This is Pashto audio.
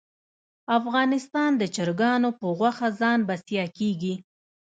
افغانستان د چرګانو په غوښه ځان بسیا کیږي